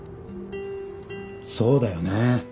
そうだよね。